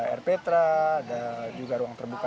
air petra ada juga ruang terbuka